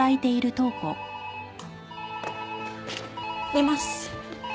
出ます。